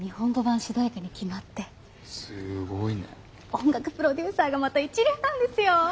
音楽プロデューサーがまた一流なんですよ。